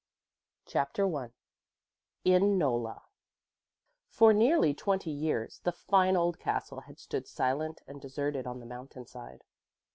CHAPTER I IN NOLLA For nearly twenty years the fine old castle had stood silent and deserted on the mountain side.